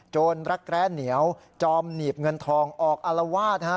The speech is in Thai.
รักแร้เหนียวจอมหนีบเงินทองออกอารวาสฮะ